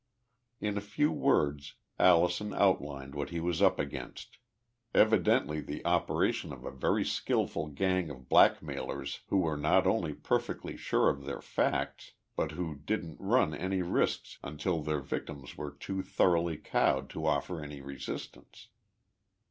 In a few words Allison outlined what he was up against evidently the operation of a very skillful gang of blackmailers who were not only perfectly sure of their facts, but who didn't run any risks until their victims were too thoroughly cowed to offer any resistance.